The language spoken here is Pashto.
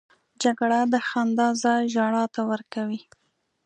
جګړه د خندا ځای ژړا ته ورکوي